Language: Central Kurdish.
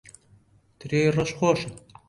ترێی ڕەش خۆشە.